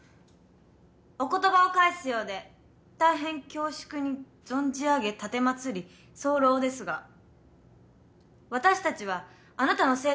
お言葉を返すようで大変恐縮に存じ上げ奉り候ですが私たちはあなたの生徒ではございません。